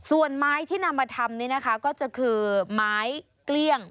ส่วนไม้ที่นำมาทำนี่นะคะก็คือไม้เกลี้ยง